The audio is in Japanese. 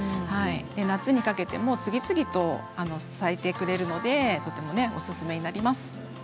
夏にかけても次々と咲いてくれるのでおすすめになります。